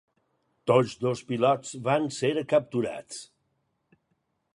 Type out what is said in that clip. Tots dos pilots van ser capturats.